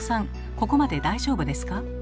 ここまで大丈夫ですか？